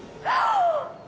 あぁ！